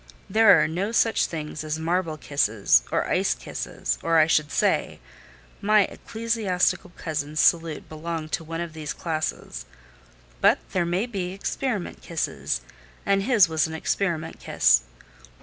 There are no such things as marble kisses or ice kisses, or I should say my ecclesiastical cousin's salute belonged to one of these classes; but there may be experiment kisses, and his was an experiment kiss.